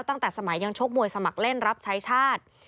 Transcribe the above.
ตั้งแต่สมัยยังชกมวยสมัครเล่นรับใช้ชาติ